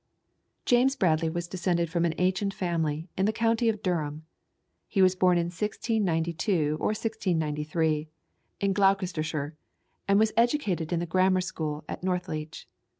James Bradley was descended from an ancient family in the county of Durham. He was born in 1692 or 1693, at Sherbourne, in Gloucestershire, and was educated in the Grammar School at Northleach.